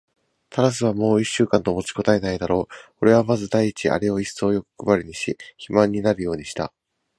タラスはもう一週間と持ちこたえないだろう。おれはまず第一にあれをいっそうよくばりにし、肥満になるようにした。